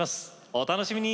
お楽しみに！